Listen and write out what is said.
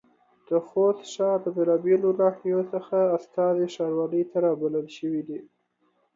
د خوست ښار د بېلابېلو ناحيو څخه استازي ښاروالۍ ته رابلل شوي دي.